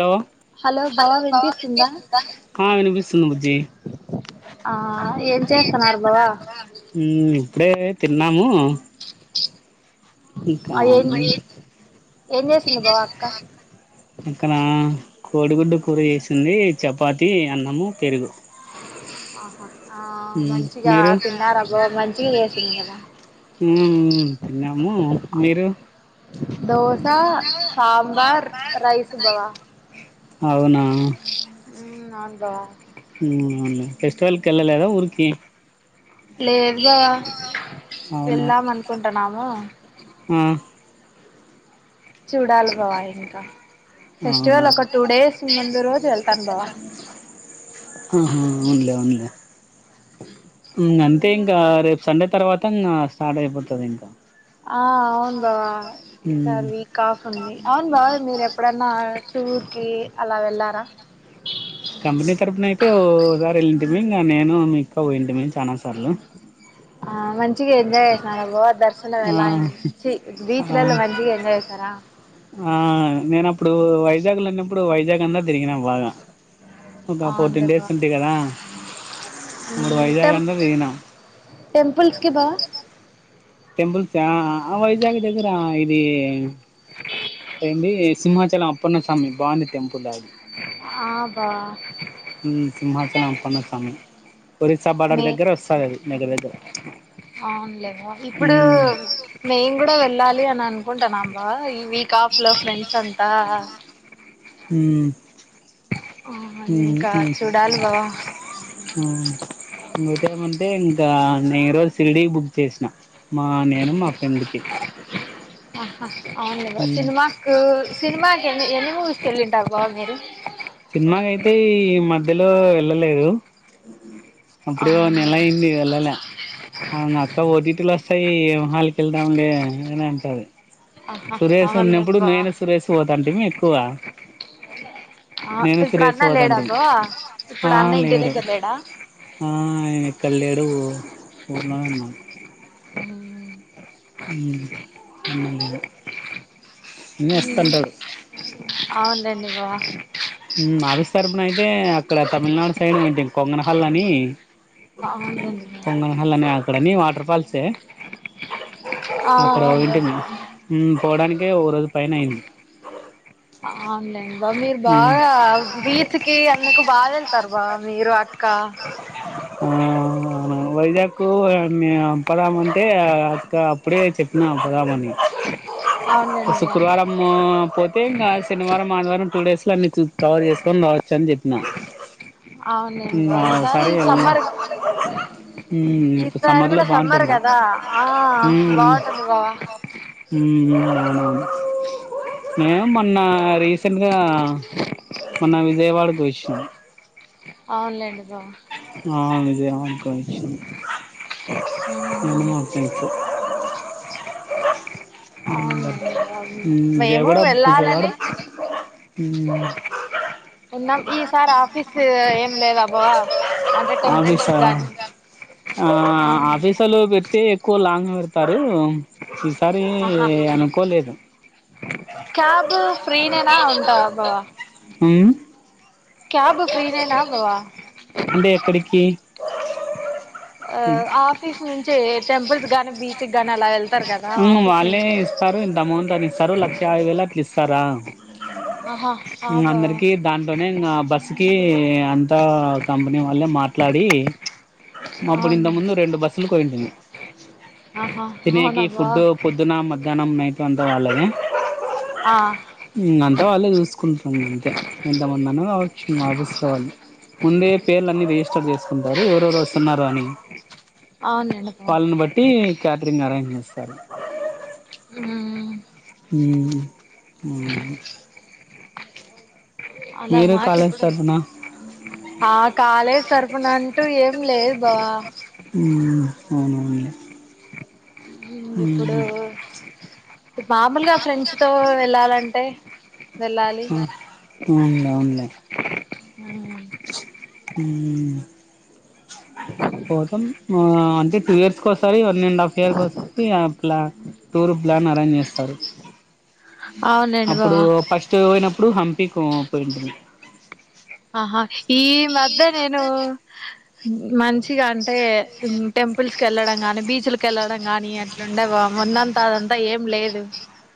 లో హలో బావా వినిపిస్తుందా ఆ వినిపిస్సుంది బుజ్జి ఆ ఏం చేస్తన్నరు బావా మ్మ్ ఇప్పుడే తిన్నాము ఇంకా ఆ ఏం నం ఏం జేసింది బావా అక్క ఇక్కడ కోడిగుడ్డు కూర చేసింది చపాతి అన్నము పెరుగు ఆహా ఆ మ్మ్ మంచిగా మీరు తిన్నారా బావ మంచిగా చేసింది కదా మ్మ్ హ్మ్ తిన్నాము మీరు దోశ, సాంబార్, రైస్ బావా అవునా హ్మ్ నాంద మ్మ్ హ్మ్ అవునులే ఫెస్టివల్ కెళ్ళలేదా ఊరికి లేద్ బావా అవునా వెళ్దాం అనుకుంటన్నాము ఆ చూడాలి బావా ఇంకా అవునా ఫెస్టివల్ ఒక టూ ఆహా డేస్ ముందు రోజు వెళ్తాను బావా అవును అవునులే అ మ్మ్ అంతే ఇంగా రేపు సండే తర్వాత్ త్తంగా స్టార్ట్ అయిపోతాది ఇంకా ఆ అవును బావా ఈసారి మ్మ్ వీక్ ఆఫ్ ఉంది అవును బావ మీరు ఎప్పుడన్నా టూర్ కి అలా వెళ్ళారా కంపెనీ తరఫున అయితే ఓ సారి వెళ్లింటిమి ఇంగా నేను మీక్క పోయింటిమి చాలా సార్లు. ఆ మంచిగా ఎంజాయ్ చేసినారా బోవ్ దర్శనం ఆ ఎలా అయ్యింది ఛీ బీచ్ ఆ లల్లో మంచిగా ఎంజాయ్ యేసారా ఆ నేనప్పుడు వైజాగ్ లో ఉన్నెప్పుడు వైజాగ్ అంతా తిరిగినా బాగా ఒక అవునులే ఫోర్టీన్ డేస్ బావ ఉంటి కదా అప్పుడు మ్మ్ వైజాగ్ టెం అంతా తిరిగినాం టెంపుల్స్ కి బావ టెంపుల్సి ఆ వైజాగ్ దగ్గర ఇది ఏంది సింహాచలం అప్పన్న స్వామి బాగుంది టెంపుల్ అది ఆ బావ ఉమ్ సింహాచలం అప్పన్న స్వామి ఒరిస్సా బార్డర్ దగ్గర వస్తది అది దగ్గర దగ్గర అవునులే బావ ఇప్పుడు ఉమ్ మేము కూడా వెళ్ళాలి అని అనుకుంటనాం బావ ఇ వీక్ ఆఫ్ లో ఫ్రెండ్స్ అంతా మ్మ్ ఆ ఊ ఇంకా ఊ చూడాలి బావ ఊ ఇంగోటేమంటే దా నే రోజు షిరిడీకి బుక్ చేసినా మా నేను మా ఫ్రెండ్ కి అవును గదా సినిమాకు సినిమా కెని ఎన్ని మూవీస్ కెళ్ళింటారు బావా మీరు సిన్మాకయితే ఈ మ ధ్యలో వెళ్ళలేదు అప్పుడే ఓ నెల అవునులే అయింది వెళ్ళలే అవును అక్క ఓ టి టి లోస్తాయి ఏం హాల్ కెళ్దాం లే [unintelligible] అంటాది ఆహా సురేష్ అవునులే ఉన్నప్పుడు బావ నేను సురేష్ పోతంటిమి ఎక్కువ, ఆ నేను ఇప్పుడు సురేష్ అన్న పోతంటిమి, లేడాబో ఇప్పుడు ఆహా అన్న ఇంటి లేడు దగ్గర లేడా ఆ ఇక్కడ లే డు ఊర్లోనే ఉన్నాడు ఉమ్ అన్నంతిని ఉమ్ అవును లేండి బావా మ్మ్ ఆఫీస్ తరఫున అయితే అక్కడ తమిళనాడు సైడ్ వోయింటిమి కొంగనహల్ అని అవునులేండి బా కొంగనహల్ అని అక్కడని వాటర్ ఫాల్సే అక్కడ వోయింటిమి బా మ్మ్ పోవడానికే ఓ రోజు, పైనైంది ఆవులేన్ బావ్ మీరు బాగా బీచ్ కి కి అందుకు బావు వెళ్తారు బావ మీరు అక్క ఆ అవున వైజాగ్ కు నేం పదామఅంటే అక్క అప్పుడే చెప్పిన పొదామని. అవునులేండి బా శుక్రవారము పోతే ఇంగా శనివారం ఆదివారం టూ డేస్ లో అన్ని చూ కవర్ చేసుకొని రావచ్చు అని చెప్పిన అవునులేండి ఇంగ బావ ఈసారి సరే వెళ్దాం సమ్మర్ మ్మ్ ఈసారి లో కూడా సమ్మర్ బాగుంటుంది కదా ఆ మ్మ్ బాగుంటుంది బావా, మ్మ్ హ్మ్ అవును అవును నేను మొన్న రీసెంట్గా మొన్న విజయవాడకి వోయివచ్చినాం. అవును లేండి ఆ విజయవాడకు వోయి వచ్చినాం నేను అవునులేండి మా ఫ్రెండ్స్. బర బావ మేము విజయగడ విజయవాడ వెళ్ళాలని హ ఈ సార్ ఆఫీస్ ఏం లేదాబ్బావా ఆఫీస్ ఆ అవును ఆఫీస్లు పెర్తే లాంగ్ ఇడతారు అదు ఈసారి ఆహా అనుకోలేదు క్యాబ్ ఫ్రీ నేనా ఉంటా బా ఉమ్ క్యాబ్ ఫ్రీనే నా ఇవ అంటె ఎక్కడికి అ ఆఫీస్ నుంచి టెంపుల్స్ గాని బీచ్ గాని అలా యల్ వాళ్ళే ఇస్తారు ఇంత అమౌంట్ అని ఇస్తారు లక్ష యాభై వేలు అట్ల ఇస్తారు ఆ ఆహా ఆ బావా అందరికి దాంట్లోనే ఇంక బస్సుకి ఏ అం ఇక కంపెనీ వాళ్ళె మాట్లాడి ఉష్ మబ్బు నింత అవునండి ముందు రెండు బస్సులు కోయింటింది ఆహా అవునా తినేకి బావా ఫుడ్ పొద్దున మధ్యాహ్నం నైట్ అంతా వాళ్ళనె ఆ అంతా వాళ్ళే చూసుకుంటుము అంతే ఎంతమందన్న కావచ్చు ఇంక ఆఫీస్ వాళ్ళు ముందే పేర్ల అన్న వే లిస్ట్అవుట్ చేసుకుంటారు ఎవరెవరు వస్తున్నారు అని అవునండి బావా పాలను బట్టీ క్యాటరింగ్ అరేంజ్ చేస్తారు ఇస్తరు ఉమ్ ఉ ఉమ్ అవున అల కాలేజ్ మాకెప్పుడు తరపున వస్తుంది. ఆ కాలేజ్ తరుపున అంటూ ఏం లేదు బాబ ఉమ్ ఇంగ్ ఎప్పుడో కస్ ఇ మామూల్గా ఫ్రెండ్స్ తో వెళ్ళాలంటే టె హ అవునవున్లే హుమ్ హుమ్ పోదం ఆ ఫ్యు ఇయర్స్ కోసారి one and half years tour plan arrange చేస్తారు అవునండి బావ అప్పుడు ఫస్ట్ పోయిన పుడు ఇప్పుడు హంపి కోపోయింటది ఆహా ఈ మధ్య నేను మంచిగా అంటే టెంపుల్స్కి వెళ్ళడం గాని బీచుల్కి వెళ్ళడం గాని అట్లాండే బా ముందంతా అదంతా ఏం లేదు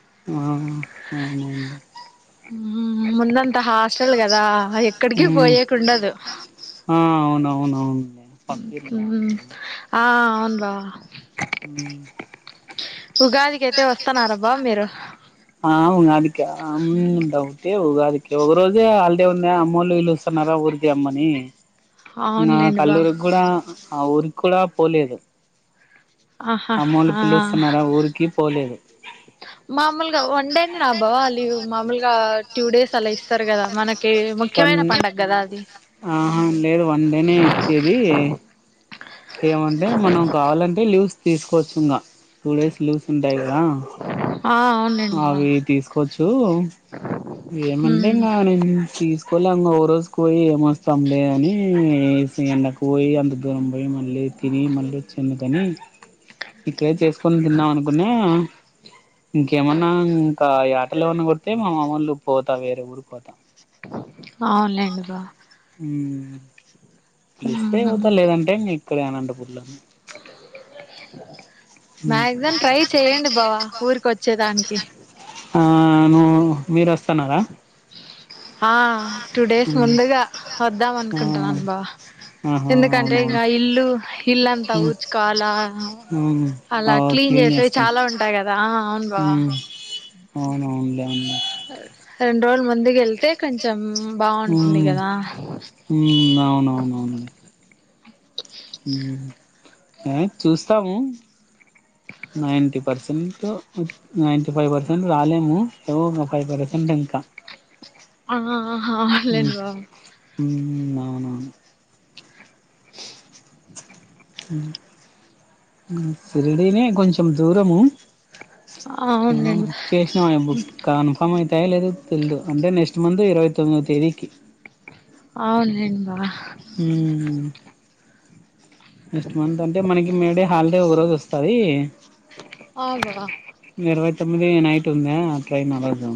మహ్ ఊహు మున్న త హాస్టల్ కదా ఎక్కడికి ఉమ్ పోయేకుండదు ఆ అవునవునవునులే పంపిర్లే ఆ అవు వా ఉమ్ ఉగాదికి అయితే వస్తున్నారాబ్బా మీరు ఆ ఉగాది హ్మ్ డౌటే ఉగాది ఒక రోజే హల్డే ఉన్నాయి అమ్మోళ్లు వీళ్ళుస్తున్నారా ఊరికి రమ్మని నా అవునులేండి బావ కల్లూరుకి కూడా ఆ ఉరికి కూడా పోలేదు ఆహా అమ్మోల్లు ఆ పిలుస్తున్నారా ఊరికి పోలేదు మామూలుగా వన్ డేనే నా బావ లీవ్ మామూలుగా టూ డేస్ అలా ఇస్తారు కదా మనకి వన్ ముఖ్యమైన పండగ కదా అది ఆహా లేదు వన్ డేనే ఇచ్చేది ఏమంటే మనం కావాలంటే లీవ్స్ తీసుకోవచ్చు ఇంకా టూ డేస్ లీవ్స్ ఉంటాయి కదా ఆ అవునులేండి బా అవి తీసుకోవచ్చు ఏమంటే ఉమ్ ఇంకా నేను తీసుకొలేి అం ఓ రోజు పోయి ఏమొస్తాంలే అని ఎండకు పోయి అంత దూరం పోయి మళ్ళీ తిని మళ్ళ వచ్చిందుకని ఇక్కడే చేసుకొని తిన్నాం అనుకున్నా గేమన్నా ఇంకా యాటలు ఏమన్న కోత్తే మామల్లు పోతా వేరే ఊరు పోతా ఇంకా ఉమ్ పిలిస్తే పోతా లేదంటే ఇంగఇక్కడే అనంతపూర్ల [inaudible] మాక్సిమం ట్రై చెయ్యడి బావ ఊరికి వచ్చేదానికి ఆ నువ్ మీరు వస్తున్నారా ఆ టూ డేస్ మ్మ్ ముందుగా వద్దాం ఆ అనుకుంటున్నాను బావా ఆహా ఎందుకంటే అవునవును ఇంగా ఇల్లు ఇల్లంతా మ్మ్ ఊడుచ్కోవాల మ్మ్ అలా అవు క్లీన్ చేసేవి చేసుకో చాలా ఉంటాయి కదా అవును బావ అవునవున్ లే రెండు రోజుల్ ముందుగెళ్తే కొంచెం ఉం బాగుంటుంది కదా ఉం అవునవునవును ఉం ఏ చూస్తాము ninety percent ninety five percent రాలేము ఏవో ఫైవ్ పర్సెంట్ ఇంకా ఆహా అ ఆ లేద్ బావ అవున ఉం సిరిడినే కొంచెం దూరము నేను అవునండి బుక్ చేసినా బుక్ కన్ఫర్మ్ అయితాయా లేదో తెలీదు అంటే నెక్స్ట్ మంత్ ఇరవై తొమ్మి [inaudible] తేదీకి అవునులేన్ బా మ్మ్ నెక్స్ట్ మంత్ అంటే మనకి మేడే హాలిడే ఒక రోజు వస్తాది ఆ గద ఇరవై తొమ్మిది నైట్ ఉందా ట్రైన్ ఆ రోజు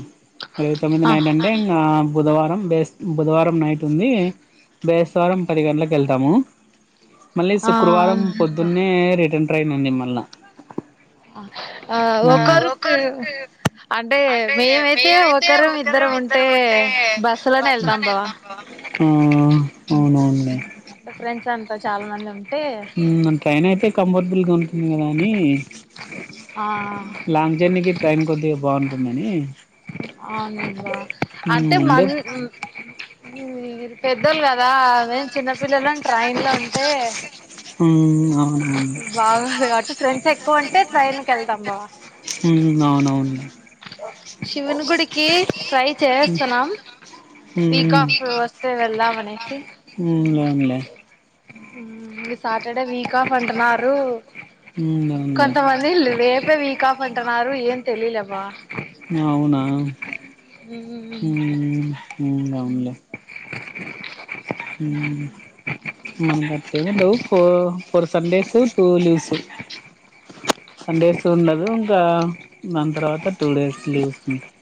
ఇరవై తొమ్మిది ఆ నైట్ అంటే ఇంగ బుధవారం బేస్ బుధవారం నైట్ ఉంది బేస్తవారం పది గంటలకెళ్తాము మళ్ళీ ఆ శుక్రవారం అవునండి బా పొద్దున్నే రిటర్న్ ట్రైన్ ఉంది మల్లా ఆ ఒకరికి అంటే మేమైతే ఒకరం ఇద్దరం ఉమ్మ్ ఉంటే బస్సు లోనే వెళ్తాం బావ [unintelligible] అంటే ఫ్రెండ్స్ అన్ చాలా మంది ఉంద్ ఉమ్మ్ ట్రైన్ అయితే కంఫర్టబుల్గా ఉన్ [unintelligible] ఉంది కదా అని ఆ లాంగ్ జర్నీకి ట్రైన్ కొద్దిగా బావుంటుందని అవునబ్బా అంటే ముందే మన్ ఇది వేరు పెద్దలు కదా మేము చిన్నపిల్లలం ట్రైన్ లో అంటే మ్మ్ అవునవును బాగోదు కాబట్టి ఫ్రెండ్స్ ఎక్కువ ఉంటే ట్రైన్ కెళ్తాం బావ మ్మ్ అవునవును శివుని గుడికి ట్రై చేస్తున్నాం వీక్ మ్మ్ ఆఫ్ వస్తే వెళ్ళాలనేసి మ్మ్ అవున్ లే మ్మ్ ఈ సాటర్డే వీక్ క్ ఆఫ్ అంటున్నారు మ్మ్ అవునులే కొంతమంది రేపే వీక్ ఆఫ్ అంటున్నారు ఏం తెలీలేబ అవునా మ్మ్ [unintelligible] మ్ లే మ్మ్ మనకట్లేం ఉండవు ఫో ఫోర్ సస్ డేస్ టూ లీవ్స్ సండేస్ ఉండదు ఇంకా దాని తర్వాత టూ డేస్ లీవ్సుంట [inaudible]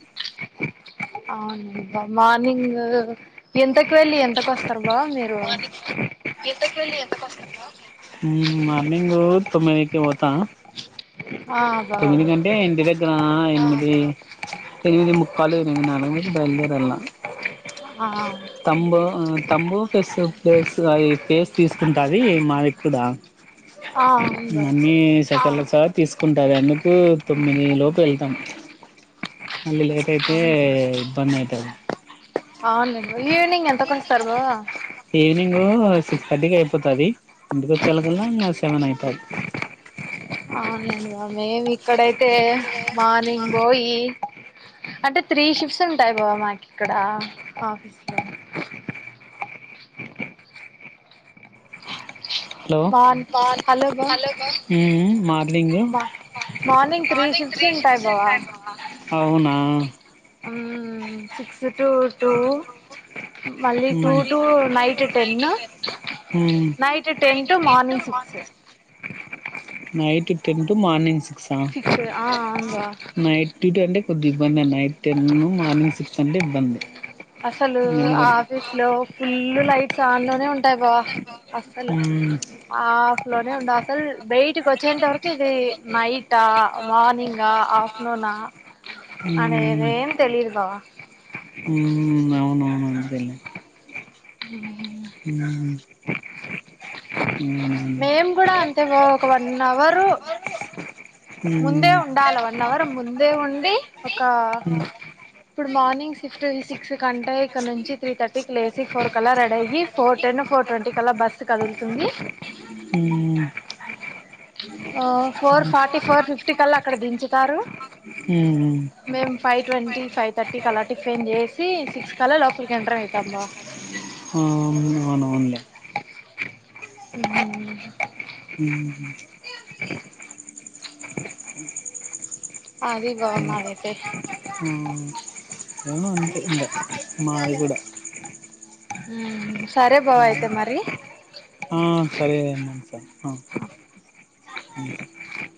అవును బా మార్నింగ్ ఎంతకు వెళ్ళి ఎంతకు వస్తారు బా మీరు మరి ఇంత కళ ఎ కస్త మ్మ్ మార్నింగ్ తొమ్మిదికి పోతా ఆ బా తొమ్మిది కంటే ఇంటి దగ్గర ఎనిమిది ఎనిమిది ముక్కాలు ఎనిమిది నాలభై కి బయలుదేరాలా ఆ తంబూ ఫస్ ఫేస్ అది ఫేస్ తీసుకుంటుది మదికుడా అవును బా అ సకాల చ తీసుకుంటారు ఎందుకు తొమ్మిది లోపు వెళ్తాం అళ లేట్ అయితే ఇబంద అయితాది అవునుండి ఈవనింగ్ ఎంత కొడస్తారు బవవా తది ఇంటికొచ్చి చాల గా ఆ సెవెన్ యిటవ్ అవునండి బాబ మేము ఇక్కడైతే మార్నింగ్ పోయి అంటే త్రీ షిఫ్ట్స్ ఉంటాయి బాబా మాకు ఇక్కడ ఆఫీస్లో. హలో మార్ని హలో బా మార్నింగ్ బా మార్నింగ్ త్రీ షిఫ్ట్స్ ఉంటాయి బావా అవునా సిక్స్ టు టూ మళ్ళీ టూ మ్మ్ టు నైట్ టెన్ మ్మ్ night ten to morning six. Night ten to morning six ఆ అవును బావ కొద్ ఇబ్బంది నైట్ టెన్ మార్నింగ్ సిక్స్ అంటే ఇబ్బంది అసలు ఎందుకంటే ఆఫీస్ లో ఫుల్ లైట్ ఆన్లోనే ఉంటాయి బాబ అస్సలు మ్మ్ హాఫ్ లోనే ఉండ అసలు బయటికి వచ్చేంత వరకు ఇది నైట్ా మార్నింగ్ా ఆఫ్టర్నూనా అనేదేంతెలిదు బావ ఉ అవునవునును అ్రిలే హ ఉ మేము కూడా అంతే బావ ఒక వన్ అవర్ ముందే మ్మ్ ఉండాల వన్ అవర్ ముందే ఉంది ఒక మ్మ్ ఇప్పుడు మార్నింగ్ షిఫ్ట్ తీ సిక్స్. కంటె ఇక నుంచి త్రీ థర్టీ కి లే ఫోర్ కల్ల రెడి అయ్యి ఫోర్ టెన్, ఫోర్ ట్వంటీ కల్ల బస్ కదులుతుంది. మ్మ్ ఆ ఫోర్ ఫార్టీ, ఫోర్ ఫిఫ్.. ట్టికల అక్కడ దించుతారు. ఊ మేము ఫైవ్ ట్వంటీ ఫైవ్ థర్టీకి అలా టిఫిన్ చేసి సిక్స్ కల్ల లోపలికి ఎంటర్ ఐతమ్మా బావ ఆ ఆనవునులే ఉహ్ హు ఉహ్ హు అది బావ్ మరీతే ఏమో అను అనంట [unintelligible] మాయిగుడ ఉహ్మ్ ఆహ్ సరే మమత ఉహ్